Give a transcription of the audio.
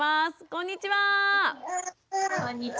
こんにちは。